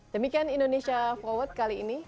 demikian indonesia forward kali ini